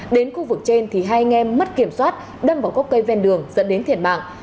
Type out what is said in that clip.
đến khu vực trên thì hai anh em mất kiểm soát đâm vào gốc cây ven đường dẫn đến thiệt mạng